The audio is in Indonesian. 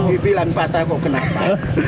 dibilang patah kok kenapa